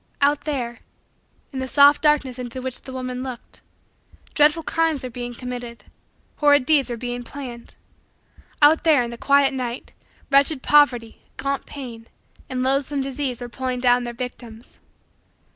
Out there, in the soft darkness into which the woman looked, dreadful crimes were being committed, horrid deeds were being planned. Out there, in the quiet night, wretched poverty, gaunt pain, and loathsome disease were pulling down their victims.